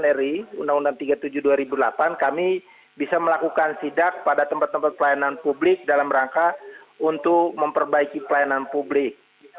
dan dari undang undang tiga puluh tujuh dua ribu delapan kami bisa melakukan sidak pada tempat tempat pelayanan publik dalam rangka untuk memperbaiki pelayanan publik